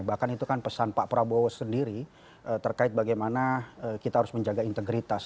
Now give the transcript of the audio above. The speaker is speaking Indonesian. bahkan itu kan pesan pak prabowo sendiri terkait bagaimana kita harus menjaga integritas